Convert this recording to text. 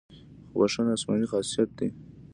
خو بښنه آسماني خاصیت دی.